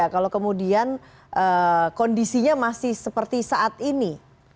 kalau kemudian kondisinya masih seperti saat ini